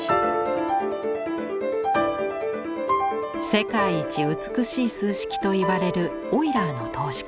世界一美しい数式といわれる「オイラーの等式」。